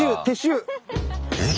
えっ？